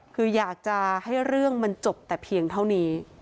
คืออยากจะให้เรื่องมันจบแต่เพียงเท่านี้